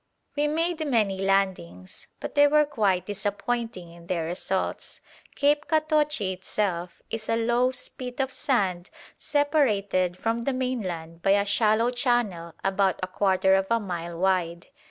We made many landings, but they were quite disappointing in their results. Cape Catoche itself is a low spit of sand separated from the mainland by a shallow channel about a quarter of a mile wide.